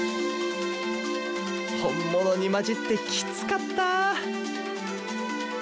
本物に交じってキツかった！